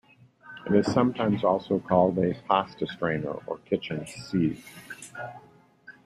It is sometimes also called a pasta strainer or kitchen sieve.